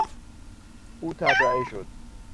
او تبرئه شد.